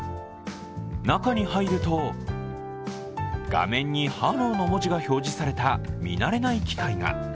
中に入ると、画面にハローの文字が表示された見慣れない機械が。